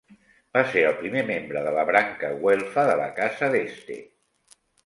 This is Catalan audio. Va ser el primer membre de la branca güelfa de la casa d'Este.